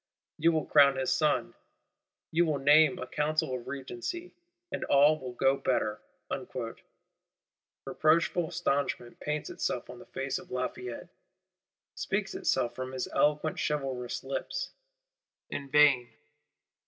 You will crown his Son, you will name a Council of Regency; and all will go better.' Reproachful astonishment paints itself on the face of Lafayette; speaks itself from his eloquent chivalrous lips: in vain.